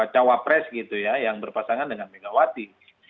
cawapres gitu ya yang berpasangan dengan megawati dua ribu empat